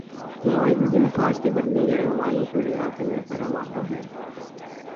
معاہدوں کے نفاذ کے بدلے یرغمالوں کو رہا کرنے پر آمادہ ہے